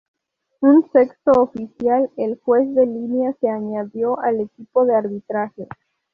Un sexto oficial, el juez de línea, se añadió al equipo de arbitraje.